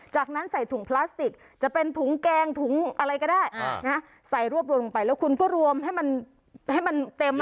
จากนั้นใส่ถุงพลาสติกจะเป็นถุงแกงถุงอะไรก็ได้ใส่รวบรวมลงไปแล้วคุณก็รวมให้มันให้มันเต็ม